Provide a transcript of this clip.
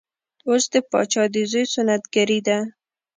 اوس د پاچا د زوی سنت ګري ده.